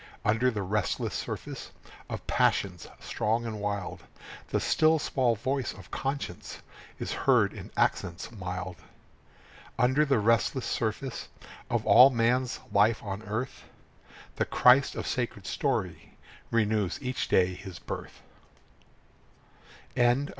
Under the restless surface Of passions strong and wild, The still small voice of conscience Is heard in accents mild. Under the restless surface Of all man's life on earth, The Christ of sacred story Renews each day his birth. SHE KNOWS.